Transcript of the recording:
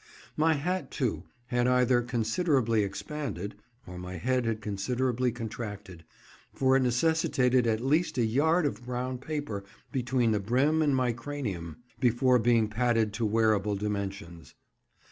My hat, too, had either considerably expanded, or my head had considerably contracted, for it necessitated at least a yard of brown paper between the brim and my cranium, before being padded to wearable dimensions.